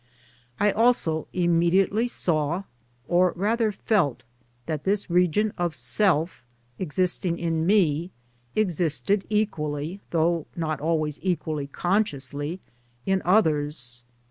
I also immediately saw, or rather felt, that this region of Self existing in me existed equally (though not always equally consciously) in others.